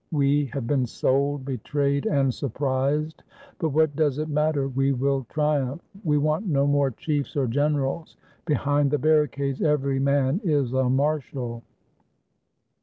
"We have been sold, betrayed, and surprised; but what does it matter, we will triumph. We want no more chiefs or gen erals; behind the barricades every man is a marshal!"